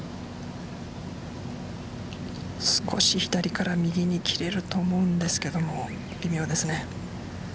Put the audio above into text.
少し左から右に切れると思うんですが微妙ですね。